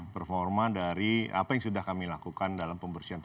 performa dari apa yang sudah kami lakukan dalam pembersihan